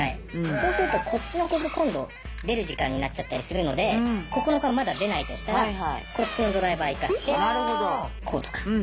そうするとこっちの子も今度出る時間になっちゃったりするのでここの子はまだ出ないとしたらこっちのドライバー行かせてこうとか。